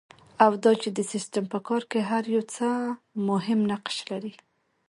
او دا چې د سیسټم په کار کې هر یو څه مهم نقش لري.